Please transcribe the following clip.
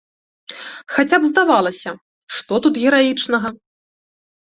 Хаця б, здавалася, што тут гераічнага?